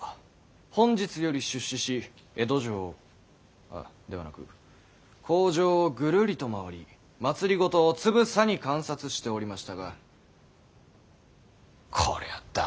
本日より出仕し江戸城ではなく皇城をぐるりと回り政をつぶさに観察しておりましたがこりゃあ駄目でございます。